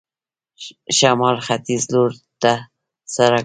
شمال ختیځ لور ته سړک و.